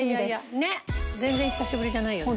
全然久しぶりじゃないよね。